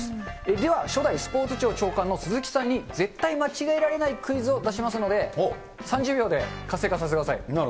では、初代スポーツ庁長官の鈴木さんに絶対間違えられないクイズを出しますので、３０秒で活性化させてください。